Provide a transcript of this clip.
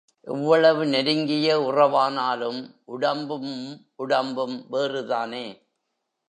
எவ்வளவு நெருங்கிய உறவானாலும் உடம்பும் உடம்பும் வேறுதானே?